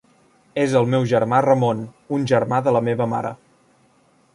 És el meu germà Ramon, un germà de la meva mare.